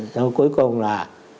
rồi cuối cùng là